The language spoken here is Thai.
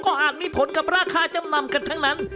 อาจมีผลกับราคาจำนำกันทั้งนั้น